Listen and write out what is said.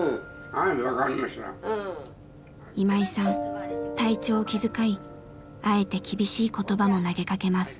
今井さん体調を気遣いあえて厳しい言葉も投げかけます。